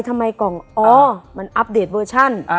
ทำไมกล่องอ๋อมันอัปเดตเวอร์ชัน